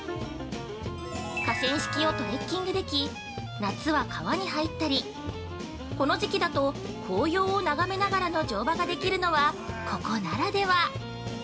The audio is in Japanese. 河川敷をトレッキングでき夏は川に入ったり、この時期だと紅葉を眺めながらの乗馬ができるのは、ここならでは！